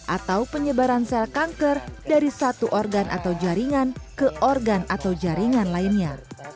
atau penyebaran sel kanker dari satu organ atau jaringan ke organ atau jaringan lainnya